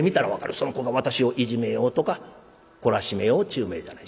その子が私をいじめようとか懲らしめようっちゅう目じゃない。